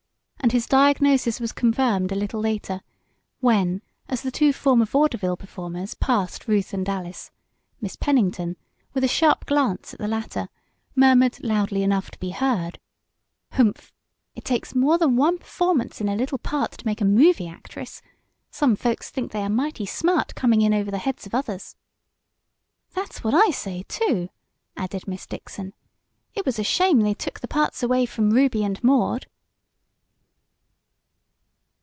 And his diagnosis was confirmed a little later, when, as the two former vaudeville performers passed Ruth and Alice, Miss Pennington, with a sharp glance at the latter, murmured loudly enough to be heard: "Humph! It takes more than one performance in a little part to make a movie actress! Some folks think they are mighty smart, coming in over the heads of others!" "That's what I say, too!" added Miss Dixon. "It was a shame the way they took the parts away from Ruby and Maude!"